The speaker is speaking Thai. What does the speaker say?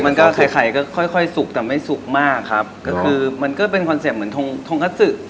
มันก็ไข่ไข่ก็ค่อยค่อยสุกแต่ไม่สุกมากครับก็คือมันก็เป็นคอนเซ็ปต์เหมือนทงทงกระสือ